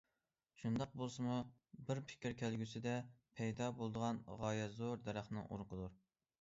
شۇنداق بولسىمۇ، بىر پىكىر كەلگۈسىدە پەيدا بولىدىغان غايەت زور دەرەخنىڭ ئۇرۇقىدۇر.